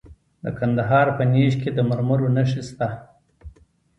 د کندهار په نیش کې د مرمرو نښې شته.